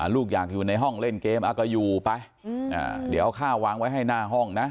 ลูกอยากอยู่ในห้องเล่นเกมเอาก็อยู่ไปเดี๋ยวเอาข้าววางไว้ให้หน้าห้องนะ